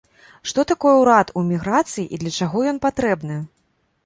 Што такое ўрад у эміграцыі і для чаго ён патрэбны?